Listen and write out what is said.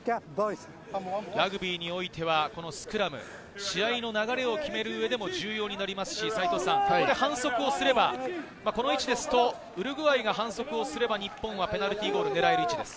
ラグビーにおいては、このスクラム、試合の流れを決める上でも重要になりますし、ここで反則をすれば、この位置ですと、ウルグアイが反則をすれば、日本はペナルティーゴールを狙える位置です。